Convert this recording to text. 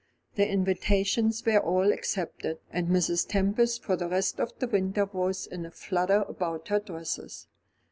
The invitations were all accepted, and Mrs. Tempest for the rest of the winter was in a flutter about her dresses.